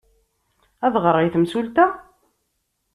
Ad ɣreɣ i temsulta?